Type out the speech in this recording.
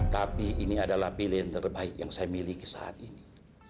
tapi ini adalah pilihan terbaik yang saya miliki saat ini